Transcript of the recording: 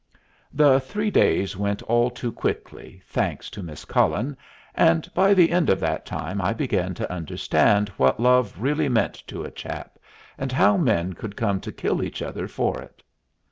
The three days went all too quickly, thanks to Miss Cullen, and by the end of that time I began to understand what love really meant to a chap, and how men could come to kill each other for it.